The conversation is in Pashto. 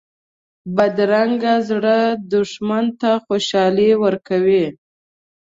بدرنګه زړه دښمن ته خوشحالي ورکوي